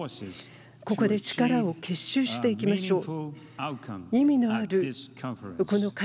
ここで力を結集していきましょう。